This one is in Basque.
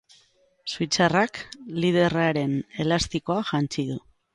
Suitzarrak liderraren elastikoa jantzi du.